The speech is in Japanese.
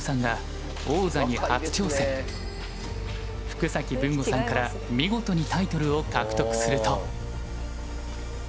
福崎文吾さんから見事にタイトルを獲得すると。